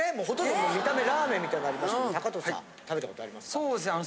ほとんど見た目ラーメンみたいなのありましたけど藤さん食べたことありますか？